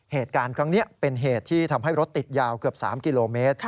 เหตุการณ์ครั้งนี้เป็นเหตุที่ทำให้รถติดยาวเกือบ๓กิโลเมตร